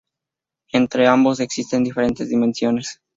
Entre ambos existen diferentes dimensiones.